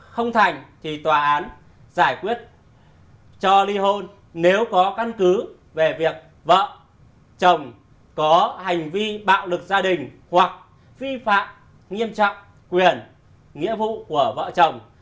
không thành thì tòa án giải quyết cho ly hôn nếu có căn cứ về việc vợ chồng có hành vi bạo lực gia đình hoặc vi phạm nghiêm trọng quyền nghĩa vụ của vợ chồng